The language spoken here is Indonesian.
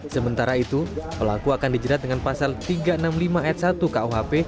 sementara itu pelaku akan dijerat dengan pasal tiga ratus enam puluh lima ayat satu kuhp